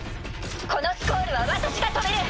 このスコールは私が止める。